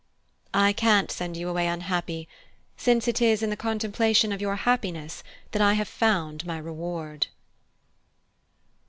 "I can't send you away unhappy, since it is in the contemplation of your happiness that I have found my reward."